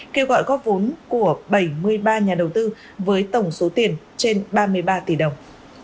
kêu gọi góp vốn của bảy mươi ba nhà đầu tư với tổng số tiền trên ba mươi ba tỷ đồng